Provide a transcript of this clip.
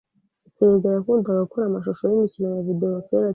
Sega yakundaga gukora amashusho yimikino ya videwo kera cyane. .